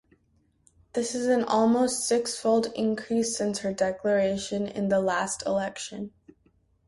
This is an almost six-fold increase since her declaration in the last election.